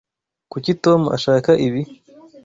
Kuki Tom ashaka ibi?